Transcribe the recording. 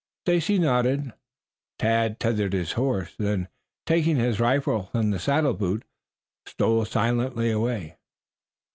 Stacy nodded. Tad tethered his horse, then taking his rifle from the saddle boot stole silently away.